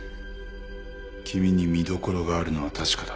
君に見どころがあるのは確かだ。